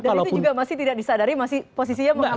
dan itu juga masih tidak disadari masih posisinya mengamati juga